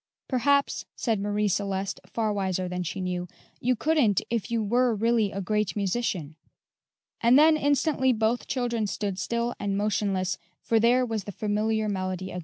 "Perhaps," said Marie Celeste, far wiser than she knew, "you couldn't if you were really a great musician." And then instantly both children stood still and motionless, for there was the familiar melody again.